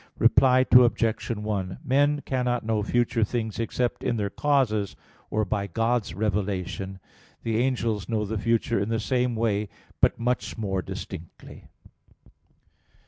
Reply Obj. 1: Men cannot know future things except in their causes, or by God's revelation. The angels know the future in the same way, but much more distinctly.